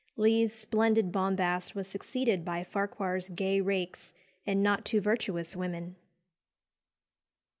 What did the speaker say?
Lee's splendid bombast was succeeded by Farquhar's gay rakes and not too virtuous women.